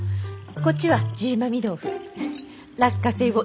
こっちはジーマミー豆腐。